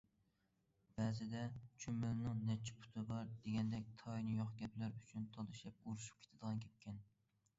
بەزىدە« چۈمۈلىنىڭ نەچچە پۇتى بار» دېگەندەك تايىنى يوق گەپلەر ئۈچۈن تالىشىپ- ئۇرۇشۇپ كېتىدىغان گەپكەن.